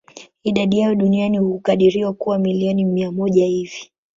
Idadi yao duniani hukadiriwa kuwa milioni mia moja hivi.